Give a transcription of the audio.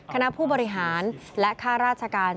คณะผู้บริหารและค่าราชการ